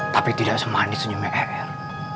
tapi tidak semanis senyumnya er